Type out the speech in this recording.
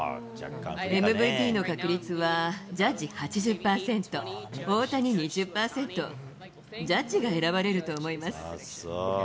ＭＶＰの確率は、ジャッジ８０％、大谷２０％、ジャッジが選ばれると思います。